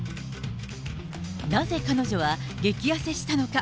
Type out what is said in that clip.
なぜ彼女は激痩せしたのか。